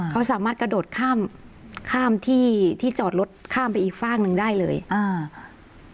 เขาสามารถกระโดดข้ามข้ามที่ที่จอดรถข้ามไปอีกฝากหนึ่งได้เลยอ่า